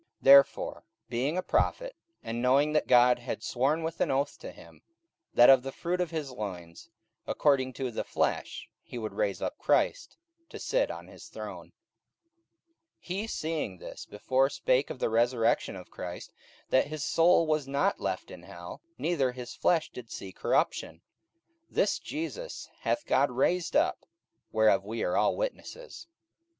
44:002:030 Therefore being a prophet, and knowing that God had sworn with an oath to him, that of the fruit of his loins, according to the flesh, he would raise up Christ to sit on his throne; 44:002:031 He seeing this before spake of the resurrection of Christ, that his soul was not left in hell, neither his flesh did see corruption. 44:002:032 This Jesus hath God raised up, whereof we all are witnesses.